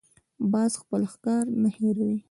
باز خپل ښکار نه هېروي